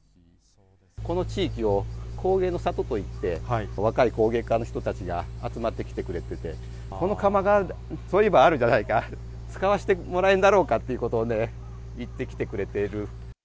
この地域を工芸の郷といって、若い工芸家の人たちが集まってきてくれてて、この窯がそういえばあるじゃないか、使わせてもらえんだろうかということで、言ってきてくれている。